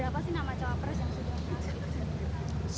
beberapa sih nama cowok pers yang sudah masuk